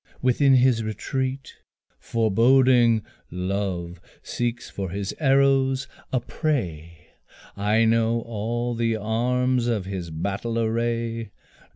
Within his retreat, Foreboding, Love seeks for his arrows a prey, I know all the arms of his battle array.